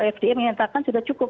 fda menyatakan sudah cukup